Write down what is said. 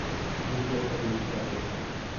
Vite tra i vulcani".